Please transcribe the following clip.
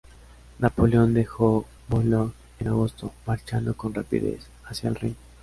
Napoleón dejó Boulogne en agosto, marchando con rapidez hacia el Rin.